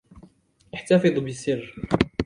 احتفظ بالسر.